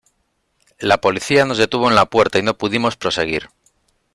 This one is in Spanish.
La policía nos detuvo en la puerta y no pudimos proseguir".